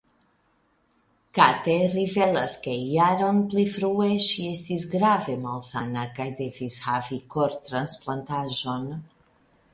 Kate rivelas ke jaron pli frue ŝi estis grave malsana kaj devis havi kortransplantaĵon.